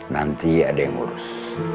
nanti ada yang urus